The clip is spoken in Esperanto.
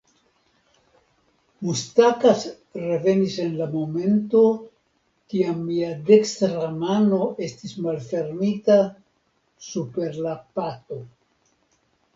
Mustakas revenis en la momento, kiam mia dekstra mano estis malfermita super la pato.